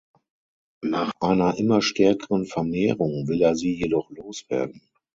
Nach einer immer stärkeren Vermehrung will er sie jedoch loswerden.